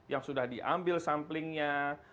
yang sudah diambil samplingnya